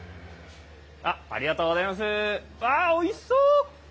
うわ、おいしそう！